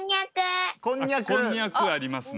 こんにゃくありますね。